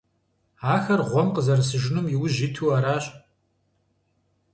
Ахэр гъуэм къызэрысыжынум и ужь иту аращ.